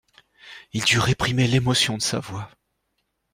Il dut réprimer l'émotion de sa voix.